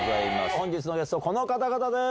本日のゲスト、この方々です。